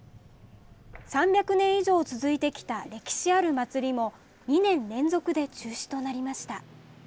３００年以上続いてきた歴史ある祭りも、２年連続で中止となりました。